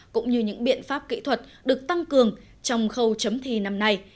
cũng như những biện pháp kỹ thuật được tăng cường trong khâu chấm thi năm nay